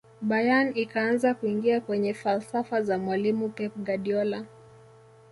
bayern ikaanza kuingia kwenye falsafa za mwalimu pep guardiola